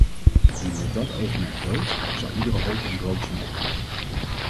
Wie met dat oogmerk doodt, zal iedere hoop in rook zien opgaan.